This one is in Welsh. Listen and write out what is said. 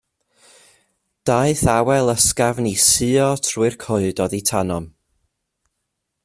Daeth awel ysgafn i suo trwy'r coed oddi tanom.